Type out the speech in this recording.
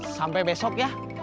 sampai besok ya